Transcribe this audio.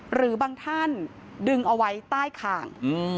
หรือบางท่านดึงเอาไว้ใต้คาง